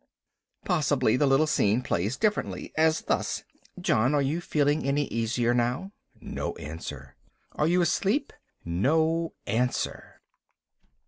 Possibly the little scene plays differently, as thus "John, are you feeling any easier now?" No answer. "Are you asleep?" No answer.